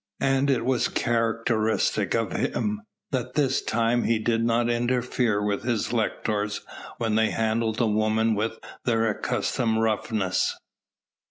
And it was characteristic of him that this time he did not interfere with his lictors when they handled the woman with their accustomed roughness.